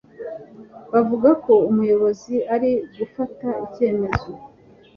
Bavuga ko Umuyobozi ari gufata icyemezo.